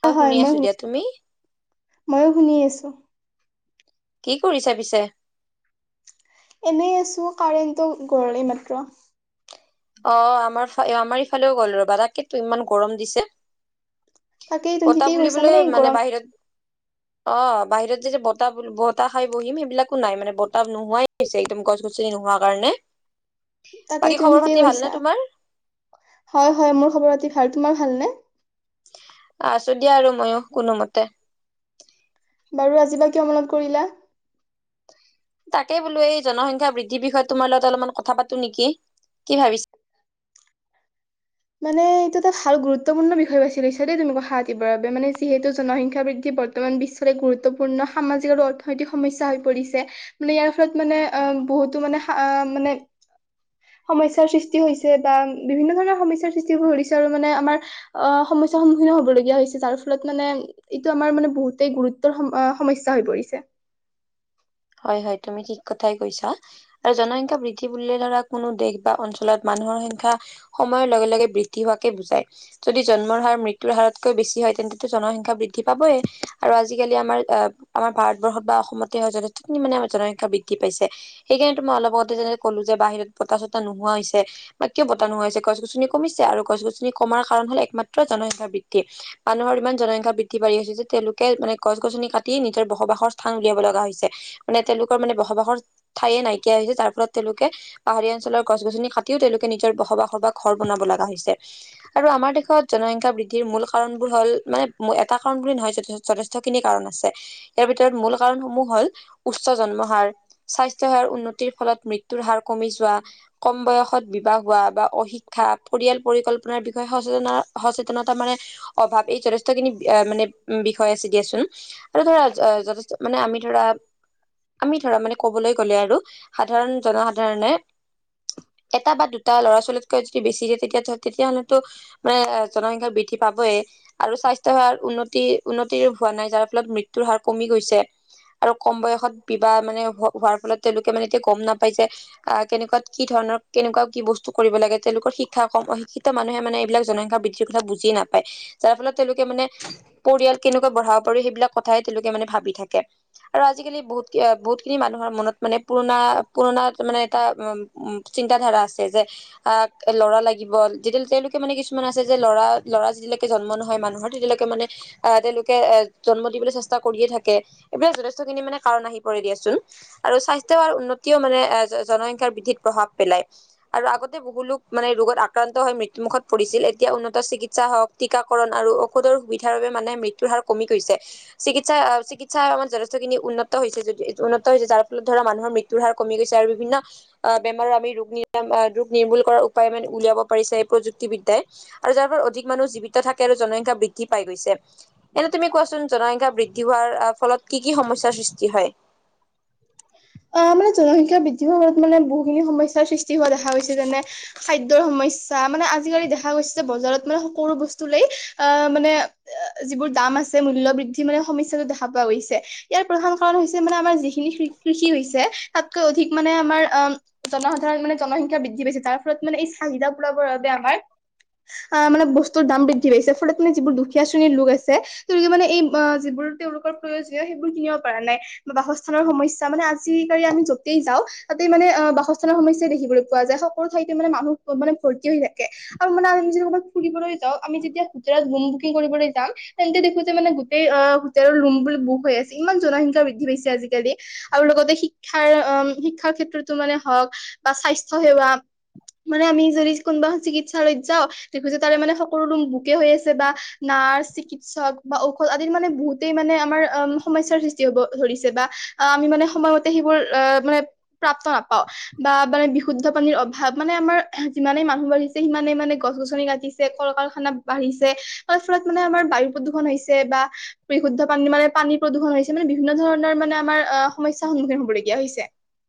মই শুনি আছোঁ দিয়া। তুমি? মইয়ো শুনি আছোঁ। কি কৰিছা পিছে? এনেই আছোঁ। কাৰেণ্টটো গ'লেই এইমাত্ৰ। অ'! আমাৰ, আমাৰ ইফালেও গ'ল ৰবা। তাকে তো ইমান গৰম দিছে। তাকেই তুমি বতাহ ঠিকেই কৈছা বুলিবলৈ মানে, গৰম বাহিৰত অ'! বাহিৰত যেতিয়া বতাহ, বতাহ, খাই বহিম, সেইবিলাকো নাই মানে। বতাহ নোহোৱাই হৈছে একদম গছ গছনি নোহোৱা কাৰণে। বাকী তাকেইটো খবৰ ঠিকেই পাতি ভালনে কৈছা। তোমাৰ হয়, হয়, মোৰ খবৰ পাতি ভাল। তোমাৰ ভালনে? আছোঁ দিয়া আৰু মইয়ো কোনোমতে। বাৰু আজি বা কিয় মনত কৰিলা? তাকে বোলো এই, জনসংখ্যা বৃদ্ধিৰ বিষয়ে তোমাৰ লগত অলপমান কথা পাতোঁ নেকি? কি ভাবিছ মানে, এইটো এটা ভাল গুৰুত্বপূৰ্ণ বিষয়ে বাচি লৈছা দেই। তুমি কথা পাতিবৰ বাবে, মানে, যিহেতু জনসংখ্যা বৃদ্ধি বৰ্তমান বিশ্বৰে গুৰুত্বপূৰ্ণ সামাজিক আৰু অৰ্থনৈতিক সমস্যা হৈ পৰিছে। মানে, ইয়াৰ ফলত মানে অ' বহুতো মানে, মানে, সমস্যাৰ সৃষ্টি হৈছে বা বিভিন্ন ধৰণৰ সৃষ্টি কৰিছে আৰু মানে, আমাৰ অ'! সমস্যাৰ সন্মুখীন হ'বলগীয়া হৈছে। যাৰফলত মানে, এইটো আমাৰ মানে বহুতেই গুৰুত্বৰ সমস্যা হৈ পৰিছে। [inaudible] হয়, হয়, তুমি ঠিক কথাই কৈছা আৰু জনসংখ্যা বৃদ্ধি বুলিলে ধৰা, কোনো দেশ বা অঞ্চলত মা মানুহৰ সংখ্যা সময়ৰ লগে, লগে, বৃদ্ধি হোৱাকে বুজায়। যদি জন্মৰ হাৰ, মৃত্যুৰ হাৰতকৈ বেছি হয় তেন্তে জনসংখ্যা বৃদ্ধি পাবই আৰু আজিকালি, আমাৰ, আমাৰ, ভাৰতবৰ্ষত বা অসমতে হয় জন মানে, আমাৰ জনসংখ্যা বৃদ্ধি পাইছে। সেইকাৰণেতো, মই অলপতে যেনে ক'লো যে, বাহিৰত বতাহ, চতাহ নোহোৱা হৈছে। বা কিয় বতাহ নোহোৱা হৈছে? গছ -গছনি কমিছে আৰু গছ -গছনি কমাৰ কাৰণ হ'ল একমাত্ৰ জনসংখ্যা বৃদ্ধি। মানুহৰ ইমান জনসংখ্যা বৃদ্ধি পাৰি আছে যে, তেওঁলোকে মানে, গছ -গছনি কাটি নিজৰ বসবাসৰ স্থান উলিয়াব লগা হৈছে। মানে, তেওঁলোকৰ মানে, বসবাসৰ ঠায়ে নাইকিয়া হৈছে। তাৰফলত, তেওঁলোকে পাহাৰীয়া অঞ্চলৰ গছ -গছনি কাটিও তেওঁলোকে, নিজৰ বসবাসৰ বা ঘৰ বনাব লাগে। হৈছে আৰু আমাৰ দেশত জনসংখ্যা বৃদ্ধিৰ মূল কাৰণ বোৰ হ'ল মানে, এটা কাৰণ বুলি নহয় যথেষ্ট যথেষ্ট খিনি কাৰণ আছে। ইয়াৰ ভিতৰত মূল কাৰণ সমূহ হ'ল উচ্চ জন্ম হাৰ, স্বাস্থ্য সেৱাৰ উন্নতিৰ ফলত মৃ মৃত্যু হাৰ কমি যোৱা, কম বয়সত বিবাহ হোৱা বা অশিক্ষা, পৰিয়াল পৰিকল্পনাৰ বিষয়ে স সচেতনতা মানে, অভাৱ। এই যথেষ্ট খিনি মানে, বিষয় আছে দিয়াচোন। ধৰা যথেষ্ট মানে, আমি ধৰা আমি ধৰা মানে, ক'বলৈ গ'লে আৰু সাধাৰণ, জনসাধাৰণ [inaudible] এটা বা দুটা ল'ৰা ছোৱালীতকৈ যদি বেছি দিয়ে। তেতিয়া, তেতিয়া হ'লেতো মানে, জনসংখ্যা বৃদ্ধি পাব। আৰু স্বাস্থ্য সেৱাৰ উন্নতি, উন্নতি, হোৱা নাই। যাৰ ফলত মৃত্যুৰ হাৰ কমি গৈছে। আৰু কম বয়সত বিবাহ মানে, হোৱাৰ ফলত তেওঁলোকে মানে, এতিয়া গম নাপাই যে আঁ কেনেকুৱাত, কি ধৰণৰ কেনেকুৱা, কি বস্তু কৰিব লাগে, তেওঁলোকৰ শিক্ষা কম, অশিক্ষিত মানুহে মানে এইবিলাক জনসংখ্যা বৃদ্ধিৰ কথা বুজি নাপায়। যাৰ ফলত তেওঁলোকে মানে পৰিয়াল কেনেকৈ বঢ়াব পাৰি সেইবিলাক কথাই তেওঁলোকে মানে ভাবি থাকে আৰু আজিকালি বহুত, বহুত খিনি মানুহৰ মনত মানে পুৰণা, পুৰণা মানে, এটা চিন্তা ধাৰা আছে যে, আঁ ল'ৰা লাগিব। যেতিয়া, তেওঁলোকে মানে কিছুমান যে, ল'ৰা, ল'ৰা যেতিয়ৈকে জন্ম নহয়, মানুহৰ তেতিয়ালৈকে মানে, আঁ তেওঁলোকে জন্ম দিবলৈ চেষ্টা কৰিয়ে থাকে। সেইটোৱে যথেষ্টখিনি কাৰণ আহি পৰে দিয়াচোন আৰু স্বাস্থ্য উন্নতিও মানে জনসংখ্যাৰ বৃদ্ধিত প্ৰভাৱ পেলায়। আৰু আগতে বহু লোক মানে, ৰোগত আক্ৰান্ত হৈ মৃত্যুমুখত পৰিছিল। এতিয়া উন্নত চিকিৎসা হওঁক, টীকাকৰণ আৰু ঔষধৰ সুবিধাৰ বাবে মানে, মৃত্যুৰ হাৰ কমি গৈছে। চিকিৎসা চিকিৎসাই আমাক যথেষ্ট উন্নত হৈছে, যদি উন্নত হৈছে যাৰ ফলত ধৰা মানুহৰ মৃত্যুৰ হাৰ কমি গৈছে আৰু বিভিন্ন আঁ বেমাৰৰ আমি ৰোগ নি আ ৰোগ নিৰ্মূল কৰাৰ উপায় মানে উলিয়াব পাৰিছে এই প্ৰযুক্তিবিদ্যাই আৰু যাৰ ফলত অধিক মানুহ জীৱিত থাকে আৰু জনসংখ্যা বৃদ্ধি পাই গৈছে। এনে তুমি কোৱাচোন জনসংখ্যা বৃদ্ধি হোৱা আ ফলত কি কি সমস্যাৰ সৃষ্টি হয়। আহ মানে জনসংখ্যা বৃদ্ধি হোৱাত মানে বহুখিনি সমস্যাৰ সৃষ্টি হোৱা দেখা গৈছে যেনে খাদ্যৰ সমস্যা মানে আজিকালি দেখা গৈছে। বজাৰত মানে সকলো বস্তুৱেই আ মানে যিবোৰ দাম আছে মূল্য বৃদ্ধি মানে সমস্যা দেখা পোৱা গৈছে ইয়াৰ প্ৰধান কাৰণ হৈছে মানে আমাৰ যিখিনি কৃ কৃষি হৈছে তাতকৈ অধিক মানে আ মাৰ আ জনসাধাৰণ মানে জনসংখ্যা বৃদ্ধি পাইছে যাৰ ফলত মানে এই চাহিদা পোৰাবৰ বাবে আমাৰ অ মানে বস্তুৰ দাম বৃদ্ধি পাইছে ফলত মানে যিবোৰ দুখীয়া শ্ৰেণীৰ লোক আছে তেওঁলোক মানে এই অ যিবোৰ তেওঁলোকৰ প্ৰয়োজনীয় সেইবোৰ কিনিব পাৰা নাই বা বাসস্থানৰ সমস্যা মানে আজিকালি আমি য'তেই যাওঁ তাতে মানে অ বাসস্থানৰ সমস্যাই দেখিবলৈ পোৱা যায়। সকলো ঠাইতে মানে মানুহ মানে ভৰ্তি হৈ থাকে আৰু মানে আ ক'বাত ফুৰিবলৈ যাওঁ আমি যেতিয়া হোতেলত ৰোম বুকিং কৰিবলৈ যাম তেন্তে দেখো যে মানে গোটেই অ হোটে ৰোমবোৰ বুক হৈ আছে ইমান জনসংখ্যা বৃদ্ধি পাইছে আজিকালি আৰু লগতে শিক্ষাৰ অম শিক্ষাৰ ক্ষেত্ৰত তোটো মানে হৱক বা স্বাস্থ্য সেৱা মানে আমি যদি কোনোবা এখন চিকিৎসালয়ত যাওঁ দেখো যে তাৰে মানে সকলো ৰোম বোকে হৈ আছে বা নাৰ্ছ চিকিৎসক বা ঔষধ আদিৰ মানে বহুতেই মানে আমাৰ অ সমস্যাৰ সৃষ্টি হ'ব ধৰিছে বা আমি মানে সময় মতে সেইবোৰ এ মানে প্ৰাপ্ত নাপাওঁ বা মানে বিশুদ্ধ পানীৰ অভাৱ মানে আমাৰ আহ যিমানে মানুহ বাঢ়িছে সিমানে মানে গছ গছ। ছে কল কাৰখানা বাঢ়িছে তাৰ ফলত মানে আমাৰ বায়ু প্ৰদূষণ হৈছে বা বিশুদ্ধ মানে পানী প্ৰদূষণ হৈছে মানে বিভিন্ন ধৰণৰ মানে আমাৰ আহ সমস্যাৰ সন্মুখীন হ'বলগীয়া হৈছে।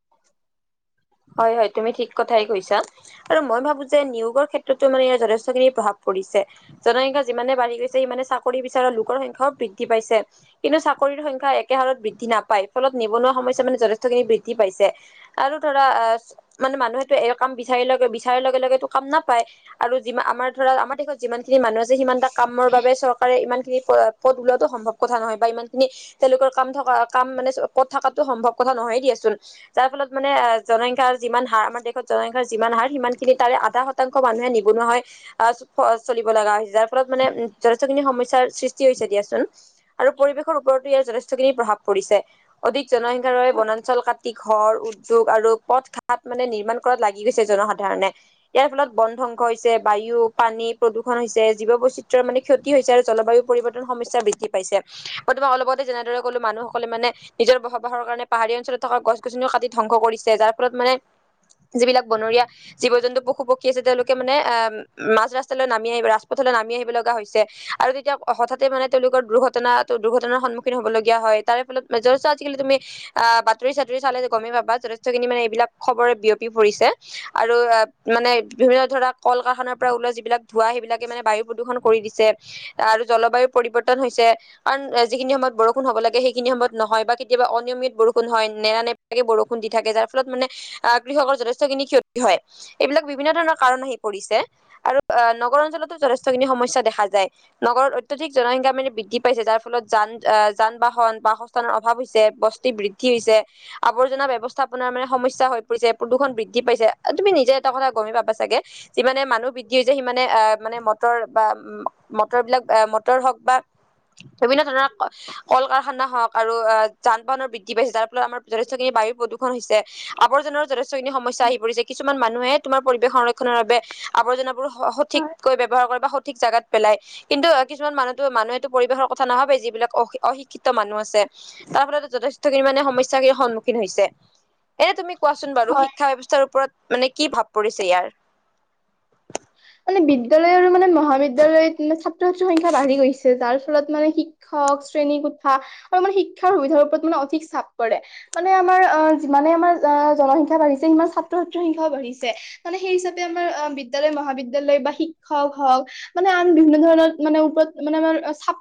[inaudible] হয় হয় তুমি ঠিক কথাই কৈছা আৰু মই ভাবো যে নিয়োগৰ ক্ষেত্ৰতো মানে ইয়াৰ যথেষ্টখিনি প্ৰভাৱ পৰিছে। জনসংখ্যা যিমানে বাঢ়ি গৈছে সিমানে চাকৰি বিচাৰৰ লোকৰ সংখ্যাও বৃদ্ধি পাইছে। কিন্তু চাকৰিৰ সংখ্যা একে হাৰত বৃদ্ধি নাপায় ফলত নিবনুৱা সমস্যা মানে যথেষ্টখিনি বৃদ্ধি পাইছে আৰু ধৰা আ মানে মানুহেটো এই কাম বিচাৰি লৈকে বিচাৰৰ লগে লগেতো কাম নাপায় আৰু যি আমাৰ আমাৰ দেশত যিমানখিনি মানুহ আছে সিমানটা কামৰ বাবে চৰকাৰে ইমান প পদ ওলোৱাটো সম্ভৱ কথা নহয় বা ইমান খিনি তেওঁলোকৰ কাম থকা কাম মানে পদ থাকাটো সম্ভৱ কথা নহয় দিয়াচোন যাৰ ফলত মানে জনসংখ্যাৰ যিমান হাৰ আমাৰ দেশত জনসংখ্যাৰ যিমান হাৰ সিমান খিনি তাৰে আধা শতাংশ মানুহে নিবনুৱা হয়। আ চলিব লগা হৈছে যাৰ ফলত মানে যথেষ্ট খিনি সমস্যাৰ সৃষ্টি হৈছে দিয়াচোন আৰু পৰিৱেশৰ ওপৰতো ইয়াৰ যথেষ্টখিনি প্ৰভাৱ পৰিছে অধিক জনসংখ্যাৰ বাবে বনাঞ্চল কাটি ঘৰ উদ্যোগ আৰু পথ ঘাট মানে নিৰ্মাণ কৰাত লাগি গৈছে জনসাধাৰণে ইয়াৰ ফলত বন ধ্বংস হৈছে। বায়ু, পানী প্ৰদূষণ হৈছে। জীৱ বৈচিত্ৰৰ মানে ক্ষতি হৈছে আৰু জলবায়ু পৰিৱৰ্তন সমস্যা বৃদ্ধি পাইছে। মই তোমাক অলপ আগতে যেনেদৰে কলো মানুহসকলে মানে নিজৰ বসবাসৰ কাৰণে পাহাৰীয়া অঞ্চলত থকা গছ গছনিও কাটি ধ্বংস কৰিছে যাৰ ফলত মানে যিবিলাক বনৰীয়া জীৱ জন্তু পশু পক্ষী আছে তেওঁলোকে মানে আহ মাজ ৰাস্তালৈ নামি আহিব, ৰাজপথত নামি আহিব লগা হৈছে আৰু তেতিয়া হঠাতে মানে তেওঁলোকৰ দুৰ্ঘটনা দুৰ্ঘটনাৰ সন্মুখীন হ'ব লগীয়া হয়। তাৰে ফলত, আজিকালি তুমি আ বাতৰি চাতৰি চালে গমে পাবা যথেষ্ট খিনি মানে বিলাক খবৰে বিয়পি পৰিছে আৰু মানে বিভিন্ন ধৰা কল কাৰখানাৰ পৰা ওলোৱা যিবিলাক ধোৱা সেইবিলাকে মানে বায়ু প্ৰদূষণ কৰি দিছে। ছে আৰু জলবায়ুৰ পৰিৱৰ্তন হৈছে কাৰণ যিখিনি সময়ত বৰষুণ হ'ব লাগে সেইখিনি সময়ত নহয় বা কেতিয়াবা অনিয়মিত বৰষুণ হয় নেৰা নেপেৰাকে বৰষুণ দি থাকে যাৰ ফলত মানে আ কৃষকৰ যথেষ্টখিনি ক্ষতি হয় এইবিলাক বিভিন্ন ধৰণৰ কাৰণ আহি পৰিছে। আৰু অ নগৰ অঞ্চলতো যথেষ্টখিনি সমস্যা দেখা যায় নগৰত অত্যাধিক জনসংখ্যা মানি বৃদ্ধি পাইছে যাৰ ফলত যা যান আ যান বাহন বাসস্থানৰ অভাৱ হৈছে। বস্তি বৃদ্ধি হৈছে, আৱৰ্জনা ব্যৱস্থা মানে সমস্যা হৈ পৰিছে প্ৰদূষণ বৃদ্ধি পাইছে আৰু তুমি নিজে এটা কথা গমে পাবা চাগে, যিমানে মানুহ বৃদ্ধি সিমানে আ মানে মটৰ বা মটৰ বিলাক মটৰ হওঁক বা বিভিন্ন ধৰণৰ কল কাৰখানা হওঁক আৰু যান বাহনৰ বৃদ্ধি পাইছে যাৰ ফলত আমাৰ যথেষ্টখিনি বায়ু প্ৰদূষণ হৈছে আৱৰ্জনাৰো যথেষ্ট খিনি সমস্যা আহি পৰিছে কিছুমান মানুহে তোমাৰ পৰিৱেশ সংৰক্ষণৰ বাবে আৱৰ্জনাবোৰ হয় সঠিককৈ ব্যৱহাৰ কৰে বা স সঠিক জাগাত পেলাই কিন্তু অ কিছুমান মানুহতো মানুহেতটো পৰিৱেশৰ কথা নাভাবে যিবিলাক অ অশিক্ষিত মানুহ আছে। তাৰ ফলত যথেষ্টখিনি মানে সমস্যাখিনিৰ সন্মুখীন হৈছে। এ তুমি কোৱাচোন বাৰু হয় শিক্ষা ব্যয়ৱস্থাৰ ওপৰত। মানে কি ভাৱ পৰিছে ইয়াৰ। মানে বিদ্য়ালয় আৰু মানে মহাবিদ্যালয়ত মানে ছাত্ৰ ছাত্ৰীৰ সংখ্যা বাঢ়ি গৈছে তাৰ। মানে শিক্ষক শ্ৰেণী কোঠা আৰু মানে শিক্ষাৰ সুবিধাৰ ওপৰত মানে অধিক চাপ কৰে মানে। ম যিমানে আমাৰ জনসংক্ষা বাঢিছে সিমান ছাত্ৰ ছাত্ৰীৰ সংক্ষাও বাঢ়িছে মানে সেই হিচাপে আমাৰ। বিদ্যাল ম মহাবিদ্যয়। ল বা শিক্ষক হওক মানে আন বিভিন্ন ধৰণৰ মানে ওপৰত মানে আমাৰ চাপ।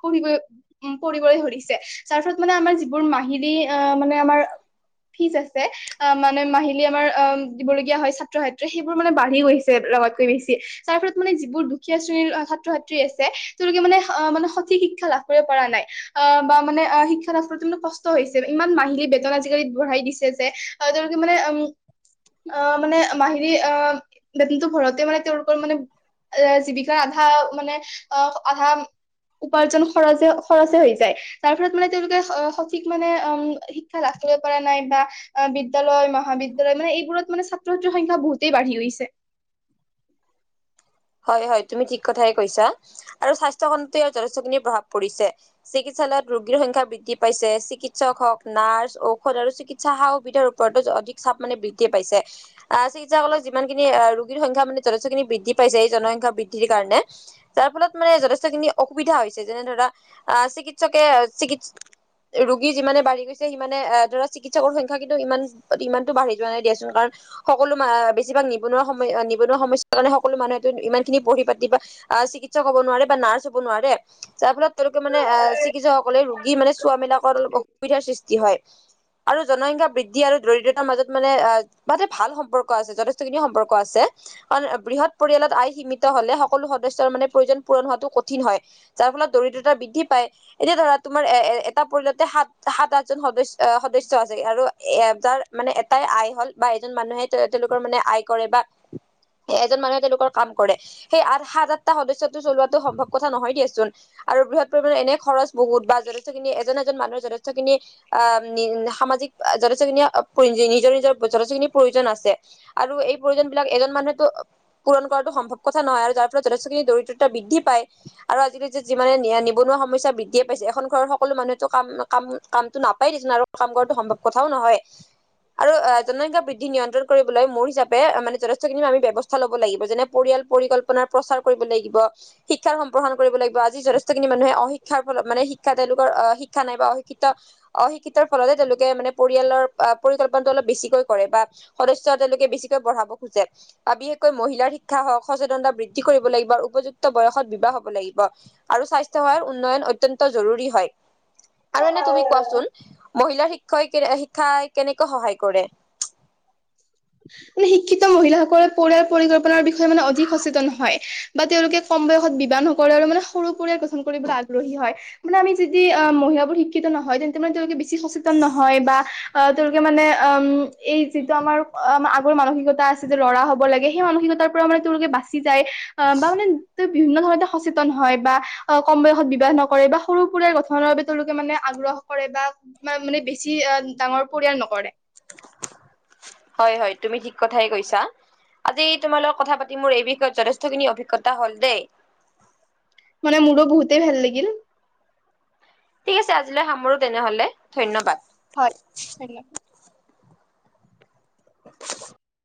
কৰিবলৈ ধৰিছে তাৰ ফলত মানে আমাৰ যিবোৰ মাহিলী আহ মানে আমাৰ। ফিজ আছে অ মানে মাহিলী আমাৰ অ দিবলগীয়া হয় ছাত্ৰ ছাত্ৰী সেইবোৰ মানে বাঢ়ি গৈছে। লগকৈ আহিছে। তাৰ ফলত মানে যিবোৰ দুখীয়া শ্ৰেণীৰ ছাত্ৰ ছাত্ৰী আছে তেওঁলোকে মানে অ মানে সঠিক শিক্ষা লাভ কৰিব পৰা নাই। অ বা মানে অ শিক্ষা নাস্ৰ মে কষ্ট হৈছে ইমান মাহিলী বেতন আজিকালি বঢ়াই দিছে যে। তেওঁৰ মানে উ অ মানে মাহি অ বনতো ভৰাওতে মানে তেওঁ। মানে এ জীৱিকাৰ আধা মানে আহ আধা। উপাৰ্জন খৰে খৰচে হৈ যায় তাৰ ফলত মানে তেওঁলোকে সঠিক মানে উ শিক্ষা লা। কৰা নাই বা বিদ্যালয় মহাবিদ্যালয় মানে এইবোৰত মানে ছাত্ৰ ছাত্ৰীৰ সংখ্যা বহুতেই বাঢ়ি গৈছে [unintelligible] হয় হয় তুমি ঠিক কথাই কৈছা আৰু স্বাস্থ্য খণ্ডতো ইয়াৰ যথেষ্টখিনি প্ৰভাৱ পৰিছে। চিকিৎসালয়ত ৰোগীৰ সংখ্যা বৃদ্ধি পাইছে চিকিৎসক হওক নাৰ্ছ ঔষধ আৰু চিকিৎসা সা সুবিধাৰ ওপৰতো। অধিক চাপ মানে বৃদ্ধি পাইছে আহ চিকিৎসকলত যিমান খিনি ৰোগীৰ সংখ্যা মানে যথেষ্টখিনি বৃদ্ধি। জনসংখ্যা বৃদ্ধিৰ কাৰণে যাৰ ফলত মানে যথেষ্ট খিনি অসুবিধা হৈছে যেনে ধৰা আহ। চিকিৎসকে চিকিৎস। ৰোগী যিমানে বাঢ়ি গৈছে সিমানে ধৰা চিকিৎসকৰ সংখ্যা কিন্তু ইমান ইমানটো বাঢ়ি যোৱানাই দিয়াচোন কাৰণ। সকলো বেছিভাগ নিবনুৱা সময় নিবনুৱা সমস্যা কাৰনে সকলো মানুহেতু ইমান খিনি পঢ়ি পাতি বা আহ চিকিৎসক হ'ব নোৱাৰে বা নাৰ্ছ হব নোৱাৰে যাৰ ফলত তেওঁলোকে মানে। এ চিকিৎসকসকলে ৰোগী মানে চোৱা মেলা কৰাত অলপ অসুবিধাৰ সৃষ্টি হয়। আৰু জনসংখ্যা বৃদ্ধি আৰু দৰিদ্ৰতাৰ মাজত মানে অ তাতে ভাল সম্পৰ্ক আছে যথেষ্টখিনি সম্পৰ্ক আছে। অ বৃহৎ। পৰিয়ালত আয় সীমিত হলে সকলো সদস্যৰ মানে প্ৰয়োজন পূৰণ হোৱাটো কঠিন হয় যাৰ ফলত দৰিদ্ৰতা বৃদ্ধি পায়। এতিয়া ধৰা তোমাৰ এ এটা পৰিয়ালতে সাত আঠজন সদস্য সদস্য আছে আৰু এ। যাৰ মানে এটাই আই হল বা এজন মানুহে তেওঁলোকৰ মানে আই কৰে বা এজন মানুহে। লোকৰ কাম কৰে সেই আঠ সাত আঠটা সদস্য চলোৱাটো সম্ভৱ কথা নহয় দিয়াচোন আৰু বৃহৎ পৰিমাণে। এনে খৰচ বহুত বা যথেষ্ট খিনি এজন এজন মানুহৰ যথেষ্ট খিনি অ উ সামাজিক যথেষ্ট খিনি। নিজৰ নিজৰ যথেষ্টখিনি প্ৰয়োজন আছে আৰু এই প্ৰয়োজন বিলাক এজন মানুহেতো। পূৰণ কৰাটো সম্ভৱ কথা নহ আৰু যাৰ ফলত যথেষ্টখিনি দৰিদ্ৰতা বৃদ্ধি পায় আৰু আজিকালি যে। যিমানে নিবনুৱা সমস্যা বৃদ্ধিয়ে পাইছে এখন ঘৰৰ সকলো মানুহেতো কাম কা। ম কামটো নাপাই দে আৰু কাম। সম্ভৱ কথাও নহয়। আৰু জনসংখ্যা বৃদ্ধি নিয়ন্ত্ৰণ কৰিবলৈ মোৰ হিচাপে মানে যথেষ্ট খিনি আমি ব্যৱস্থা লব লাগিব। যেনে পৰিয়াল পৰিযকল্পনা প্ৰচাৰ কৰিব লাগিব শিক্ষা সম্প্ৰসৰণ কৰিব লাগিব আজি যথেষ্ট খিনি মানুহে। অশিক্ষাৰলত মানে শিক্ষা তেওঁলোকৰ অ শিক্ষা নাই বা অশিক্ষিত অশিক্ষিতৰ ফলতে তেওঁলোকে মানে পৰিয়াল। পৰিকল্পনাটো অলপ বেছিকৈ কৰে বা সদস্য তেওঁলোকে বেছিকৈ বঢ়াব খোজে বা বিশেষ্ শিক্ষা হওক সচেতনতা বৃদ্ধি কৰিব লাগিব আৰু উপযুক্ত বয়সত বিবাহ হ'ব লাগিব আৰু স্বাস্থ্য সেৱাৰ উন্নত। অত্যন্ত জৰুৰী হয় আৰু এনে তুমি কোৱাচোন। মহিলাৰ শিক্ষয় কে শিক্ষাই কেনেকৈ সহায় কৰে। মানে শিক্ষিত মহিলাসকলৰ পৰিয়াল পৰিকল্পনাৰ বিষয়ে মানে অধিক সচেতন হয় বা তেওঁলোকে কম। বয়সত বিবাহ নকৰে আৰু মানে সৰু পৰিয়াল গঠন কৰিবলৈ আগ্ৰহী হয়। মানে আমি যদি অ মহিস মানে উম এই যিটো আমাৰ আগৰ মানসিকতা আছে যে ল'ৰা হ'ব লাগে। সেই মানসিকতাৰ পৰা মানে তেওঁলোকে বাচি যায় আহ বা মানে ত। বিভিন্ন ধৰণতে সচেতন হয় বা কম বয়সত বিবাহ নকৰে বা সৰু সুৰা গঠনৰ বাবে তেওঁলোকে মানে আগ্ৰহ। কৰে বা মানে বেছি ডাঙৰ পৰিয়াল নকৰে। হয় হয় তুমি ঠিক কথাই কৈছা। আজি তোমালোকৰ কথা পাতি মোৰ এই বিষয়ত যথেষ্টখিনি অভিজ্ঞতা হল দেই। মানে মোৰো বহুতেই ভাল লাগিল। ঠিক আছে আজিলৈ সামৰো তেনেহলে ধন্যবাদ। হয় ধন্যবাদ। [unintelligible]